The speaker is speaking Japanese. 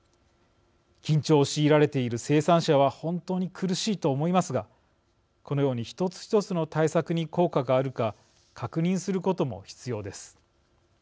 緊張を強いられている生産者は本当に苦しいと思いますがこのように１つ１つの対策に効果があるか確認することも必要です。